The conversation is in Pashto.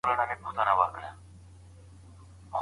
د چرګانو غوښه څنګه ده؟